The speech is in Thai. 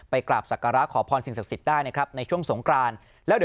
กราบศักระขอพรสิ่งศักดิ์สิทธิ์ได้นะครับในช่วงสงกรานแล้ว